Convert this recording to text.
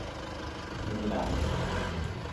Miserável